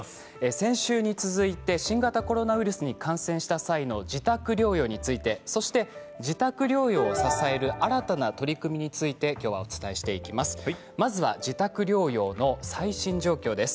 先週に続いて新型コロナウイルスに感染した際の自宅療養について、そして自宅療養を支える新たな取り組みについてきょうお伝えしていきます。